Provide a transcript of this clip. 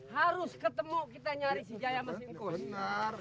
harus ketemu kita nyari si jaya mangkus